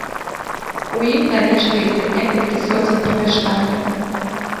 У ім налічваецца некалькі соцень памяшканняў.